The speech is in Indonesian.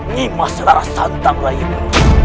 nyimah selara santam rayiku